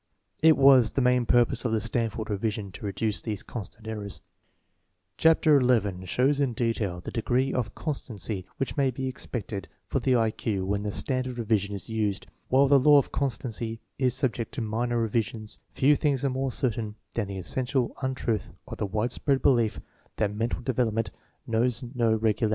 It was the main purpose of the Stanford Revision to reduce these constant errors. Chapter XI shows in detail the degree of constancy which may be expected for the I Q when the Stanford Revision is used. While the law of constancy is sub ject to minor revisions, few things are more certain than the essential untruth of the widespread belief that mental development knows no regularity, and that the dullard of to day becomes the genius of to morrow.